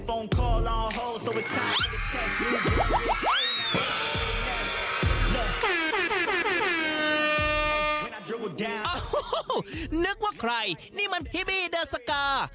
นั่นนึกว่าใครนี่มันพี่บี้เดอร์สกา